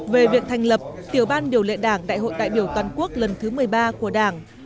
về việc thành lập tiểu ban điều lệ đảng đại hội đại biểu toàn quốc lần thứ một mươi ba của đảng